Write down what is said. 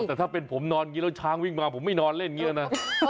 แต่ถ้าเป็นผมนอนอย่างนี้แล้วช้างวิ่งมาผมไม่นอนเล่นอย่างนี้นะ